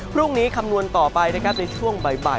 พรุ่งนี้คำนวณต่อไปนะครับในช่วงบ่าย